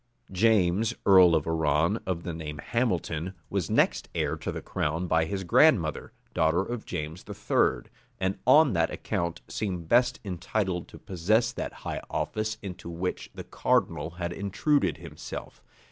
James, earl of Arran, of the name of Hamilton, was next heir to the crown by his grandmother, daughter of James III.; and on that account seemed best entitled to possess that high office into which the cardinal had intruded himself.